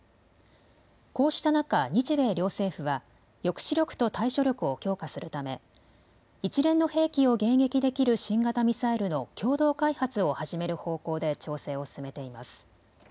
こうした中、日米両政府は抑止力と対処力を強化するため一連の兵器を迎撃できる新型ミサイルの共同開発を始める方向で調整を進めています。